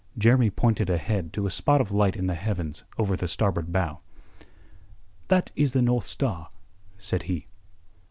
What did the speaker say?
Jeremy pointed ahead to a spot of light in the heavens over the starboard bow. "That is the North Star," said he.